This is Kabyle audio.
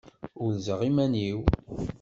Urzeɣ iman-iw.